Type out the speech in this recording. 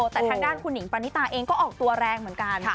แต่ทางด้านคุณหิงปณิตาเองก็ออกตัวแรงเหมือนกัน